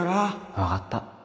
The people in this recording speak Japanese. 分かった。